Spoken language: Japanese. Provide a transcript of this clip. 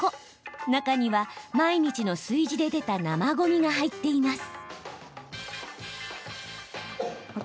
中には、毎日の炊事で出た生ごみが入っています。